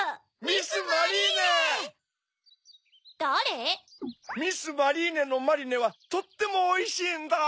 ミス・マリーネのマリネはとってもおいしいんだ！